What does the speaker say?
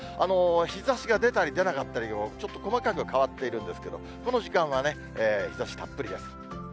日ざしが出たり出なかったりを、ちょっと細かく変わっているんですけど、この時間は日ざしたっぷりです。